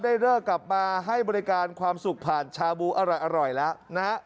เลิกกลับมาให้บริการความสุขผ่านชาบูอร่อยแล้วนะฮะ